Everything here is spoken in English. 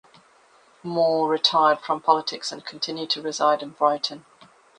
Moor retired from politics and continued to reside in Brighton.